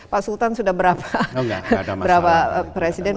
pak sultan sudah berapa presiden